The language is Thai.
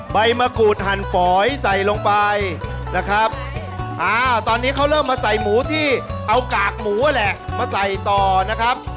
ใบมะกรูดหั่นฝอยใส่ลงไปนะครับอ่าตอนนี้เขาเริ่มมาใส่หมูที่เอากากหมูแหละมาใส่ต่อนะครับ